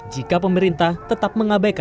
jika pemerintah tetap mengabekannya